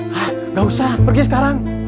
hah gak usah pergi sekarang